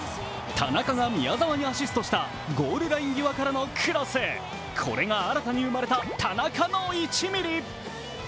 田中が宮澤にアシストしたゴールライン際からのクロス、これが新たに生まれた田中の１ミリ。